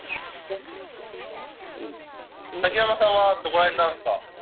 竹山さんはどこら辺なんですか？